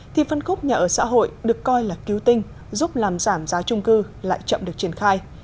thì phân khúc nhà ở xã hội được coi là cứu tinh giúp làm giảm giá trung cư lại chậm được triển khai